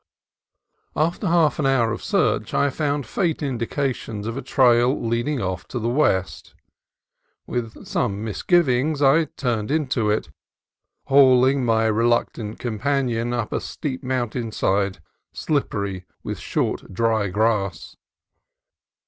After half an hour of search I found faint indications of a trail leading off to the west. With some misgivings I turned into it, hauling my reluctant companion up a steep mountain side, slippery with short dry grass.